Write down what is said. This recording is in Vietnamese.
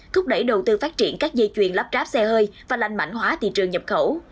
thúc đẩy đầu tư phát triển các dây chuyền lắp ráp xe hơi và lành mạnh hóa thị trường nhập khẩu